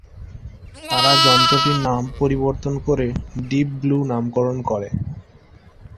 তারা যন্ত্রটির নাম পরিবর্তন করে ডিপ ব্লু নামকরণ করে।